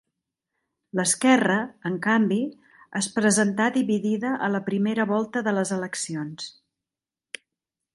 L'esquerra, en canvi, es presentà dividida a la primera volta de les eleccions.